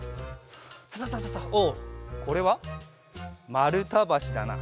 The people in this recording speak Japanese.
サササササおっこれはまるたばしだな。